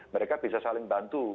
mereka bisa saling bantu